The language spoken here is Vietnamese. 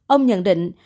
ông nhận định